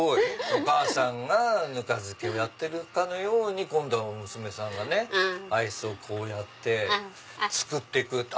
お母さんがぬか漬けをやってるかのように今度は娘さんがアイスをこうやって作ってく。